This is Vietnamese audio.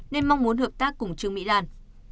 nên mong muốn hợp tác cùng trương mỹ lan